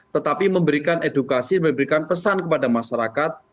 tetapi memberikan edukasi memberikan pesan kepada masyarakat